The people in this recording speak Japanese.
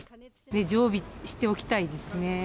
常備しておきたいですね。